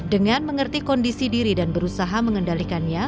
dengan mengerti kondisi diri dan berusaha mengendalikannya